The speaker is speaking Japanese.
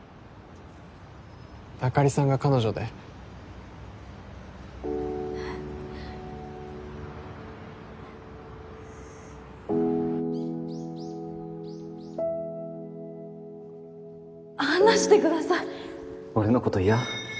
あかりさんが彼女で離してください俺のこと嫌？